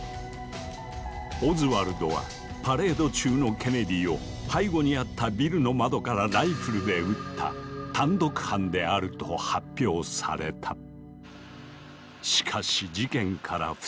オズワルドはパレード中のケネディを背後にあったビルの窓からライフルで撃った単独犯であると発表された。